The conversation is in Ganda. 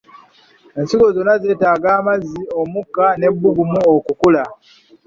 Ensigo zonna zeetaaga amazzi, omukka n'ebbugumu okukula.